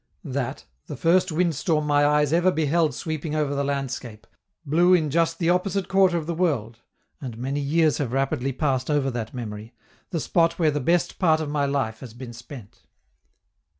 That, the first wind storm my eyes ever beheld sweeping over the landscape, blew in just the opposite quarter of the world (and many years have rapidly passed over that memory), the spot where the best part of my life has been spent.